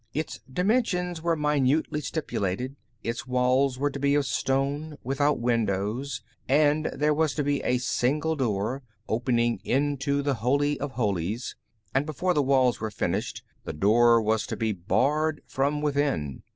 Its dimensions were minutely stipulated; its walls were to be of stone, without windows, and there was to be a single door, opening into the Holy of Holies, and before the walls were finished, the door was to be barred from within.